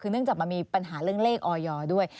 คือเนื่องจากมันมีปัญหาเรื่องเลขออยด้วย